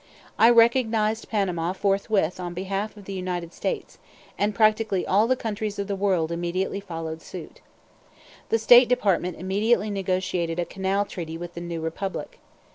I recognized Panama forthwith on behalf of the United States, and practically all the countries of the world immediately followed suit. The State Department immediately negotiated a canal treaty with the new Republic.